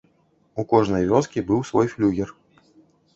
У кожнай вёскі быў свой флюгер.